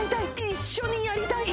一緒にやりたい。